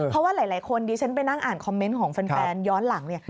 เพราะว่าหลายคนดิฉันไปนั่งอ่านคอมเมนต์ของแฟนย้อนหลังเนี่ย